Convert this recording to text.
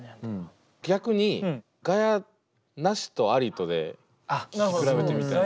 逆にガヤなしとありとで聞き比べてみたい。